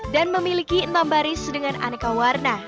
dan memiliki nambaris dengan aneka warna